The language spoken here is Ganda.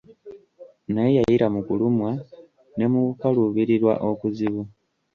Naye yayita mu kulumwa ne mu kukaluubirirwa okuzibu.